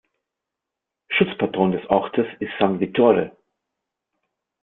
Schutzpatron des Ortes ist "San Vittore".